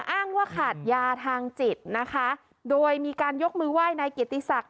อ้างว่าขาดยาทางจิตนะคะโดยมีการยกมือไหว้นายเกียรติศักดิ